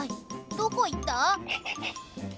どこいった？